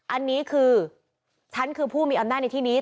อันนี้คือฉันคือผู้มีอำนาจในที่นี้